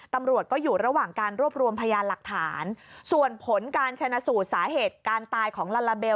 ตำรวจก็อยู่ระหว่างการรวบรวมพยานหลักฐาน